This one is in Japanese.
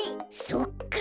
そっか！